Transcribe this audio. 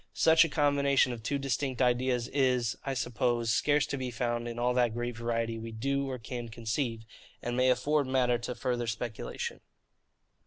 Such a combination of two distinct ideas is, I suppose, scarce to be found in all that great variety we do or can conceive, and may afford matter to further speculation.